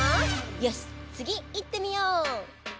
よしつぎいってみよう！